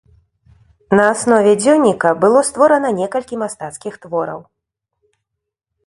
На аснове дзённіка было створана некалькі мастацкіх твораў.